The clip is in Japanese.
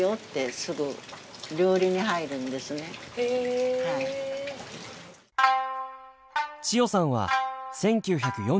千代さんは１９４３年生まれ。